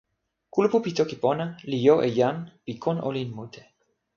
kulupu pi toki pona li jo e jan pi kon olin mute.